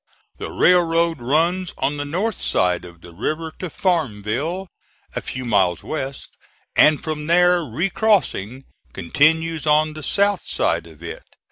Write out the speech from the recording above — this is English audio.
The railroad runs on the north side of the river to Farmville, a few miles west, and from there, recrossing, continues on the south side of it.